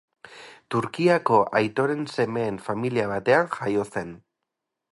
Turkiako aitoren semeen familia batean jaio zen.